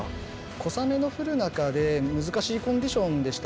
小雨が降る中で難しいコンディションでした。